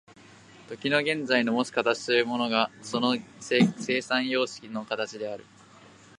時の現在のもつ形というのがその生産様式の形である。